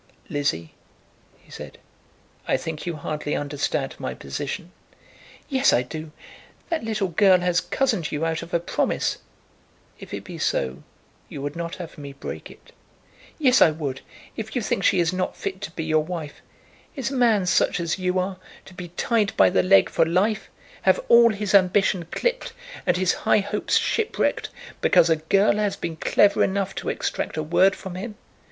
"Lizzie," he said, "I think you hardly understand my position." "Yes, I do. That little girl has cozened you out of a promise." "If it be so, you would not have me break it." "Yes, I would, if you think she is not fit to be your wife. Is a man such as you are, to be tied by the leg for life, have all his ambition clipped, and his high hopes shipwrecked, because a girl has been clever enough to extract a word from him?